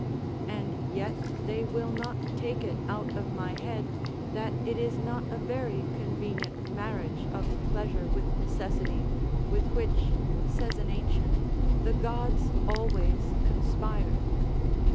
And yet they will not take it out of my head, that it is not a very convenient marriage of pleasure with necessity, with which, says an ancient, the gods always conspire.